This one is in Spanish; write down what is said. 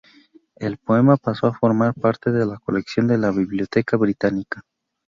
El poema pasó a formar parte de la colección de la Biblioteca Británica.